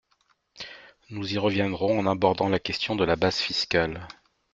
Nous y reviendrons en abordant la question de la base fiscale.